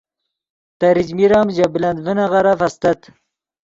تریچمیر ام ژے بلند ڤینغیرف استت